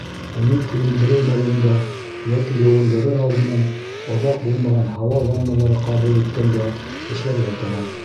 Уны кейендереү мәлендә йәки йыуындырыр алдынан, оҙаҡ булмаған һауа ванналары ҡабул иткәндә эшләргә кәрәк.